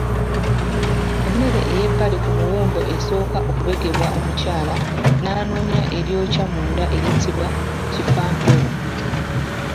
Emmere eyebbali ku muwumbo esooka okubegebwako omukyala n’anoonya eryokya munda eyitibwa Bifampewo.